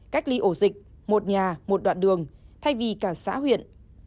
cách ly ổ dịch một nhà một đoạn đường thay vì cả xã huyện